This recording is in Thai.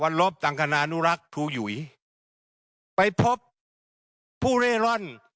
วันลบดั่งคณานุรัคทุวรุ่ยไปพบผู้เร่ร่อน